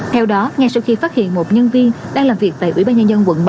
theo đó ngay sau khi phát hiện một nhân viên đang làm việc tại ủy ban nhân dân quận bảy